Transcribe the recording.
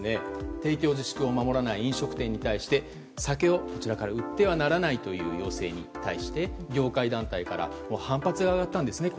提供自粛を守らない飲食店に対して酒をこちらから売ってはならないという要請に対して業界団体から反発が上がったんですね。